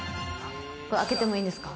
開けてもいいんですか？